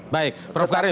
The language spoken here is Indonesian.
baik prof karim